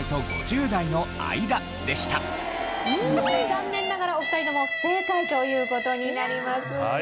残念ながらお二人とも不正解という事になります。